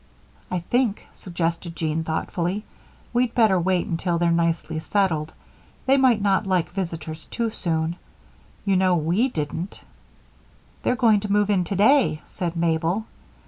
"I think," suggested Jean thoughtfully, "we'd better wait until they're nicely settled; they might not like visitors too soon. You know we didn't." "They're going to move in today," said Mabel.